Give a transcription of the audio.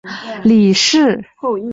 理事会因为措辞模糊而拒绝。